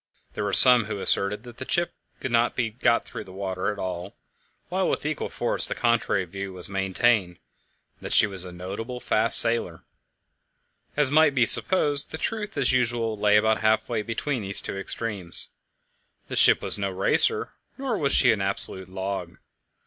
There were some who asserted that the ship could not be got through the water at all, while with equal force the contrary view was maintained that she was a notable fast sailer. As might be supposed, the truth as usual lay about half way between these two extremes. The ship was no racer, nor was she an absolute log.